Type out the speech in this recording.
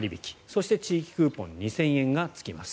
そして地域クーポン２０００円がつきます。